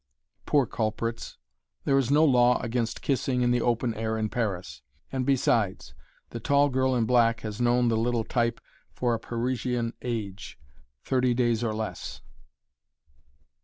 Poor culprits! There is no law against kissing in the open air in Paris, and besides, the tall girl in black has known the little "type" for a Parisienne age thirty days or less.